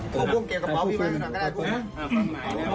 พวกคุณเกลียดกระเป๋าที่ไหนครับ